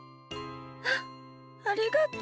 あっありがとう。